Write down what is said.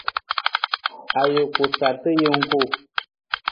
Ajuku sarta jungku.